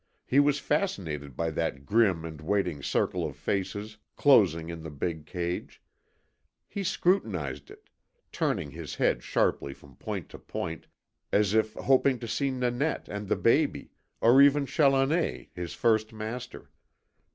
He was fascinated by that grim and waiting circle of faces closing in the big cage; he scrutinized it, turning his head sharply from point to point, as if hoping to see Nanette and the baby, or even Challoner his first master.